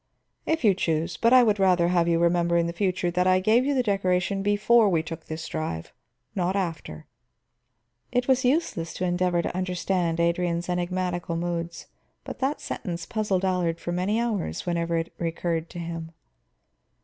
"If you choose. But I would rather have you remember in the future that I gave you the decoration before we took this drive, not after." It was useless to endeavor to understand Adrian's enigmatical moods, but that sentence puzzled Allard for many hours, whenever it recurred to him.